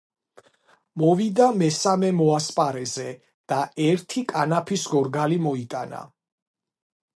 მოვიდა მესამე მოასპარეზე და ერთი კანაფის გორგალი მოიტანა.